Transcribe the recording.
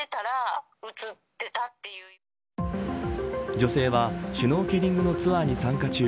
女性は、シュノーケリングのツアーに参加中。